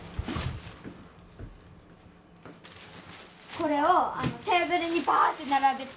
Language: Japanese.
これをテーブルにバーッて並べて。